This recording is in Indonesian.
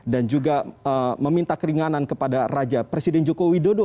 dan juga meminta keringanan kepada raja presiden joko widodo